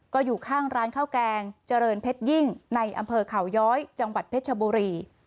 ก็อยู่ข้างร้านข้าวแกงเจริญเพชรยิ่งในอำเภอเขาย้อยจังหวัดเพชรชบุรี